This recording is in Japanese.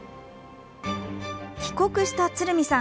帰国した鶴見さん。